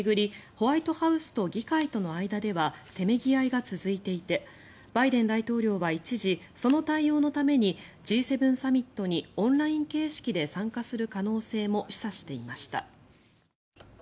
ホワイトハウスと議会との間ではせめぎ合いが続いていてバイデン大統領は一時その対応のためにＧ７サミットにオンライン形式で参加する可能性も示唆していました。